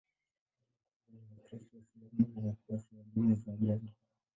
Dini kubwa ni Wakristo, Waislamu na wafuasi wa dini za jadi.